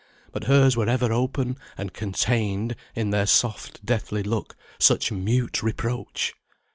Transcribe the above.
But hers were ever open, and contained, in their soft, deathly look, such mute reproach!